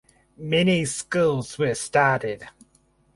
Many schools were started.